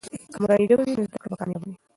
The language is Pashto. که مورنۍ ژبه وي، نو زده کړه به کامیابه وي.